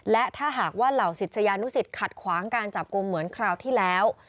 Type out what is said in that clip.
และถ้าหากว่าเหล่าศิษยานุสิตขัดขวางการจับกลุ่มเหมือนคราวที่แล้ว